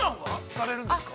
されるんですか。